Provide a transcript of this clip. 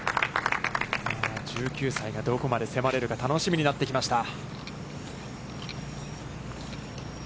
１９歳が、どこまで迫れるか、楽しみになってきました。